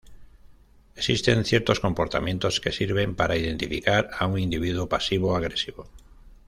Existen ciertos comportamientos que sirven para identificar a un individuo pasivo-agresivo.